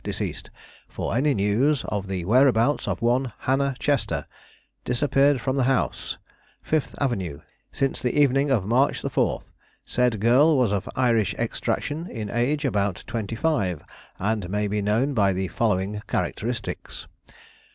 deceased, for any news of the whereabouts of one Hannah Chester, disappeared from the house Fifth Avenue since the evening of March 4. Said girl was of Irish extraction; in age about twenty five, and may be known by the following characteristics.